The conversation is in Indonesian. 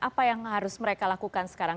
apa yang harus mereka lakukan sekarang